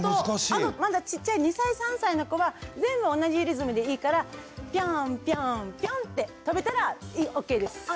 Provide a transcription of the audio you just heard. まだちっちゃい２歳３歳の子は全部同じリズムでいいからピョンピョンピョン！って跳べたらＯＫです。